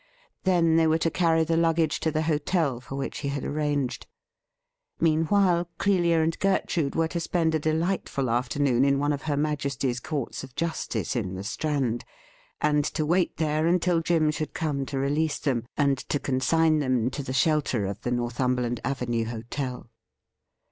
Then they were to carry the luggage to the hotel for which he had arranged. Meanwhile Clelia and Gertrude were to spend a delightful afternoon in one of her Majesty's Courts of Justice in the Strand, and to wait there until Jim should come to release them, and to consign them to the shelter of the Northumberland Avenue hotel.